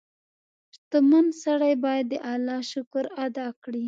• شتمن سړی باید د الله شکر ادا کړي.